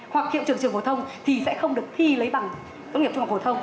hoặc thiệu trường trường hộ thông thì sẽ không được thi lấy bằng công nghiệp trung học hộ thông